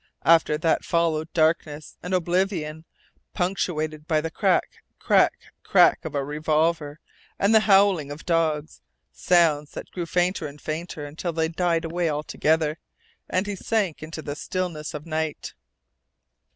After that followed darkness and oblivion, punctuated by the CRACK, CRACK, CRACK of a revolver and the howling of dogs sounds that grew fainter and fainter until they died away altogether, and he sank into the stillness of night.